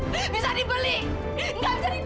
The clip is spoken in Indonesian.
bisa dibeli nggak usah diganti dong